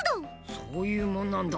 そういうもんなんだ。